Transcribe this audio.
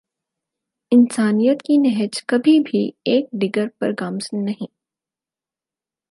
انسانیت کی نہج کبھی بھی ایک ڈگر پر گامزن نہیں